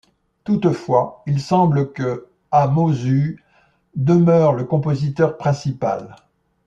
Toutefois, il semble que Hamauzu demeure le compositeur principal.